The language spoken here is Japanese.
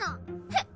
へっ？